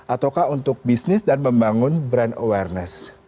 ataukah untuk bisnis dan membangun brand awareness